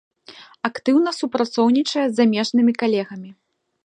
Актыўна супрацоўнічае з замежнымі калегамі.